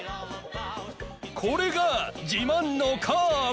これがじまんのカーブ！